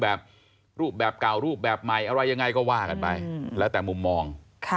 แบบรูปแบบเก่ารูปแบบใหม่อะไรยังไงก็ว่ากันไปแล้วแต่มุมมอง